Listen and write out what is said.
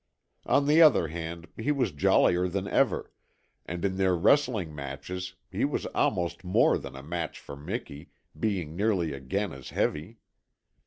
On the other hand he was jollier than ever, and in their wrestling matches he was almost more than a match for Miki, being nearly again as heavy.